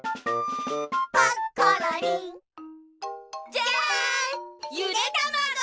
じゃんゆでたまご！